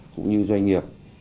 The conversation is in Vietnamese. cũng như doanh nghiệp